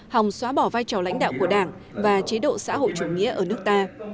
hòng xóa bỏ vai trò lãnh đạo của đảng và chế độ xã hội chủ nghĩa ở nước ta